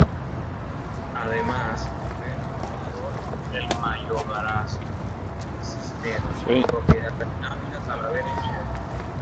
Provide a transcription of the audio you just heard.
Además, fue el fundador del mayorazgo Cisneros con propiedades en Ávila, Talavera y Uceda.